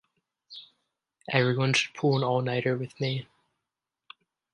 Everyone should pull an all nighter with me.